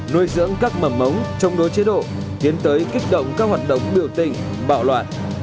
nuôi dưỡng các mầm ống chống đối chế độ tiến tới kích động các hoạt động biểu tình bạo loạn